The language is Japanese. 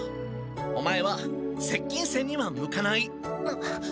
オマエは接近戦には向かない。